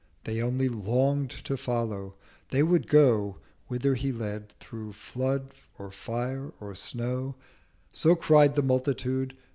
'They only long'd to follow: they would go Whither he led, through Flood, or Fire, or Snow'— So cried the Multitude.